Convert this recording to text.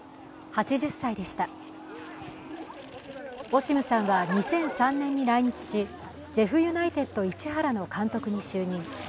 オシムさんは２００３年に来日しジェフユナイテッド市原の監督に就任。